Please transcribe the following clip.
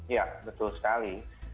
ya betul sekali